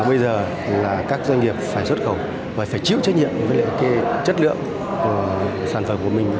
bây giờ các doanh nghiệp phải xuất khẩu và phải chịu trách nhiệm với chất lượng sản phẩm của mình